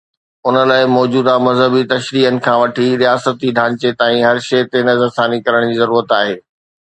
ان لاءِ موجوده مذهبي تشريحن کان وٺي رياستي ڍانچي تائين هر شيءِ تي نظرثاني ڪرڻ جي ضرورت آهي.